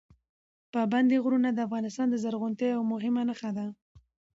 پابندي غرونه د افغانستان د زرغونتیا یوه مهمه نښه ده.